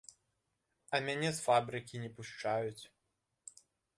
А мяне з фабрыкі не пушчаюць.